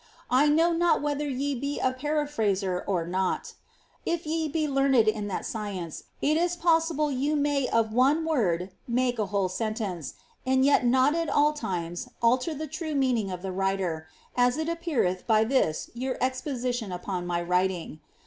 I know not whether ye be a paraphraser oi not. If ye be learned in that science, it is possible ye may of one word makf t whole sentence, and yet not at all times alter the true meaning of the wriiier; ii it appeareth by this your exposition upon my writing.